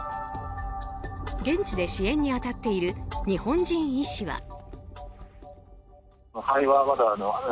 現地で支援に当たっている日本人医師は。